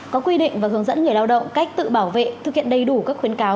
có quy định và hướng dẫn người lao động cách tự bảo vệ thực hiện đầy đủ các khuyến cáo